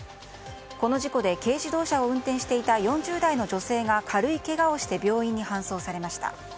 この事故で軽自動車を運転していた４０代の女性が軽いけがをして病院に搬送されました。